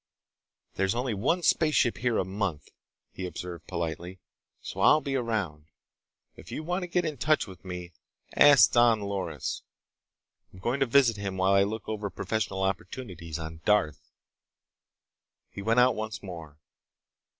"There's only one spaceship here a month," he observed politely, "so I'll be around. If you want to get in touch with me, ask Don Loris. I'm going to visit him while I look over professional opportunities on Darth." He went out once more.